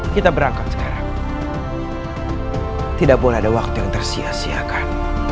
kita berangkat sekarang tidak boleh ada waktu yang tersiasiakan